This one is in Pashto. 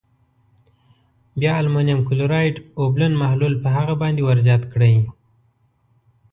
بیا المونیم کلورایډ اوبلن محلول په هغه باندې ور زیات کړئ.